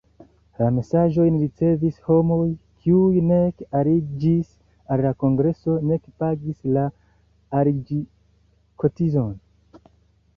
La mesaĝojn ricevis homoj, kiuj nek aliĝis al la kongreso nek pagis la aliĝkotizon.